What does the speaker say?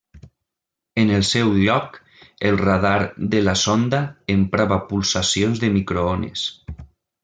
En el seu lloc, el radar de la sonda emprava pulsacions de microones.